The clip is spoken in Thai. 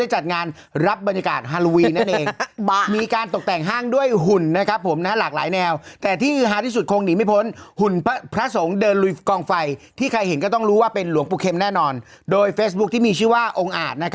ได้จัดงานรับบรรยากาศฮาราวีนาน